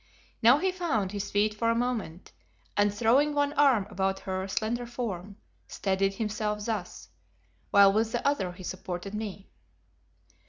Now he found his feet for a moment, and throwing one arm about her slender form, steadied himself thus, while with the other he supported me.